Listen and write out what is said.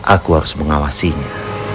aku harus mengawasinya